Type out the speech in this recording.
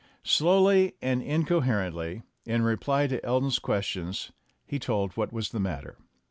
Slowly and incoherently, in reply to Elton's ques tions, he told what was the matter.